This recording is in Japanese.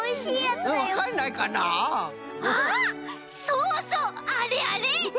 そうそうあれあれ！